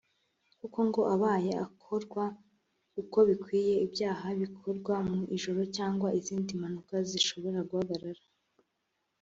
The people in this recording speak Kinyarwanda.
kuko ngo abaye akorwa uko bikwiye n’ibyaha bikorwa mu ijoro cyangwa izindi mpanuka bishobora guhagarara